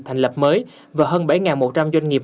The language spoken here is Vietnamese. thành lập mới và hơn bảy một trăm linh doanh nghiệp